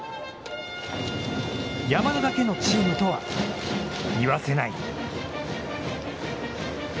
「山田だけのチーム」とは言わせない。